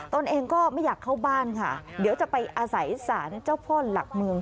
ตนเองก็ไม่อยากเข้าบ้านค่ะเดี๋ยวจะไปอาศัยสารเจ้าพ่อหลักเมือง